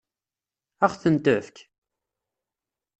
Ad ɣ-ten-tefk?